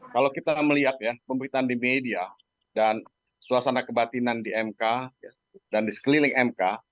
kalau kita melihat ya pemberitaan di media dan suasana kebatinan di mk dan di sekeliling mk